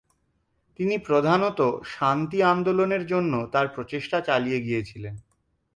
তিনি প্রধানত শান্তি আন্দোলনের জন্য তার প্রচেষ্টা চালিয়ে গিয়েছিলেন।